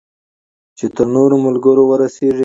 چې تر نورو ملګرو ورسیږي.